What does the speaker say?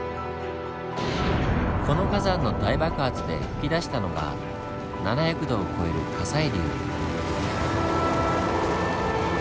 この火山の大爆発で噴き出したのが７００度を超える火砕流。